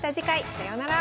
さようなら。